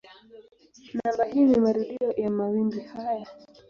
Namba hii ni marudio ya mawimbi haya.